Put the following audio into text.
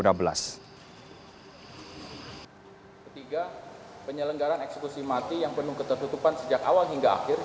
ketiga penyelenggaran eksekusi mati yang penuh ketertutupan sejak awal hingga akhir